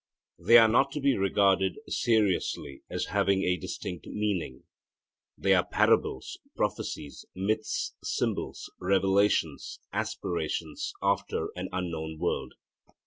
They are not to be regarded seriously as having a distinct meaning. They are parables, prophecies, myths, symbols, revelations, aspirations after an unknown world.